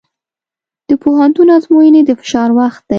د پوهنتون ازموینې د فشار وخت دی.